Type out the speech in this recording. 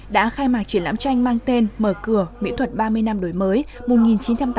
là triển lãm tranh mang tên mở cửa mỹ thuật ba mươi năm đổi mới một nghìn chín trăm tám mươi sáu hai nghìn một mươi sáu